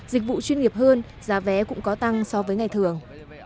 dịch vụ chuyên nghiệp hơn giá vé cũng có tăng so với ngày thường